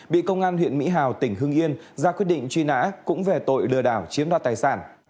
bị công an huyện mỹ hào tỉnh hưng yên ra quyết định truy nã cũng về tội lừa đảo chiếm đoạt tài sản